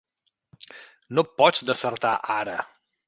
No pots desertar ara.